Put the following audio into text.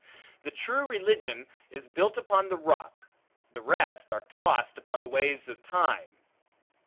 The true religion is built upon the rock; the rest are tossed, upon the waves of time.